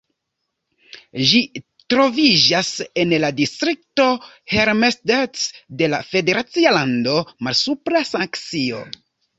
Ĝi troviĝas en la distrikto Helmstedt de la federacia lando Malsupra Saksio.